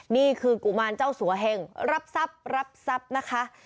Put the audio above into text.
นี่คือกุมารเจ้าสัวเฮงรับสับนะคะ